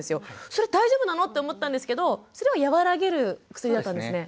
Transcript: それ大丈夫なのって思ったんですけどそれは和らげる薬だったんですね。